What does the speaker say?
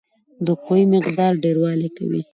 د قوې مقدار ډیروالی کوي.